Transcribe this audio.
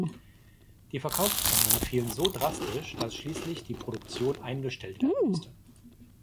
Die Verkaufszahlen fielen so drastisch, dass schließlich die Produktion eingestellt werden musste.